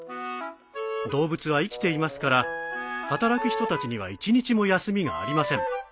動物は生きていますから働く人たちには１日も休みがありません。